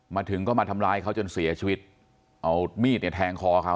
มาถึงก็มาทำร้ายเขาจนเสียชีวิตเอามีดเนี่ยแทงคอเขา